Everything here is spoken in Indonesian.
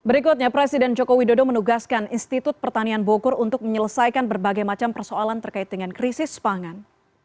berikutnya presiden joko widodo menugaskan institut pertanian bogor untuk menyelesaikan berbagai macam persoalan terkait dengan krisis pangan